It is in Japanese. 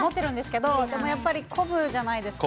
でもやっぱり混むじゃないですか。